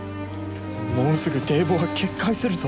もうすぐ堤防が決壊するぞ。